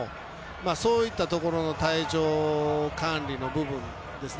そういったところの体調管理の部分ですね。